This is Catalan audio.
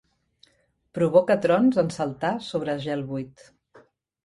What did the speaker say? Provoca trons en saltar sobre gel buit.